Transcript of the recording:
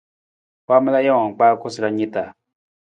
Waamala jawang kpaa koosara ni ta.